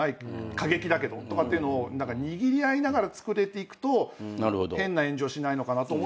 過激だけどとかっていうのを握り合いながら作れていくと変な炎上しないのかなと思いながらやってる。